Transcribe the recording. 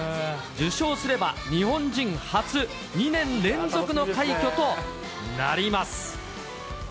受賞すれば、日本人初２年連続の快挙となります。